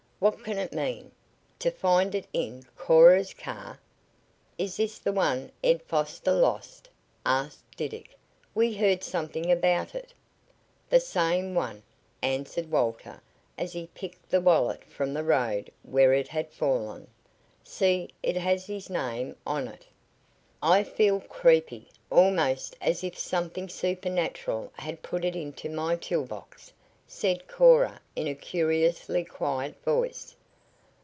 "What can it mean to find it in Cora's car?" "Is this the one Ed Foster lost?" asked Diddick. "We heard something about it." "The same one," answered Walter as he picked the wallet from the road where it had fallen. "See, it has his name on it." "I feel creepy almost as if something supernatural had put it into my tool box," said Cora in a curiously quiet voice.